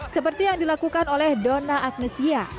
seperti yang dilakukan oleh dona agnesia